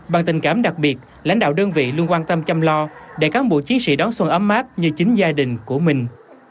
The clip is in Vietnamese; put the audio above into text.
bằng tình cảm đặc biệt lãnh đạo đơn vị luôn quan tâm chăm lo để cán bộ chiến sĩ đón xuân ấm áp như chính gia đình của mình